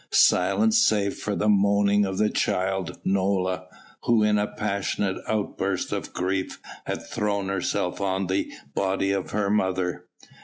Silence save for the moanings of the child Nola, who in a passionate outburst of grief had thrown herself on the body of her mother.